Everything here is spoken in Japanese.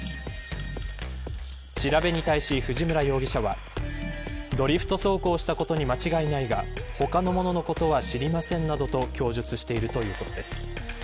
調べに対し、藤村容疑者はドリフト走行したことに間違いないが他の者のことは知りませんなどと供述しているということです。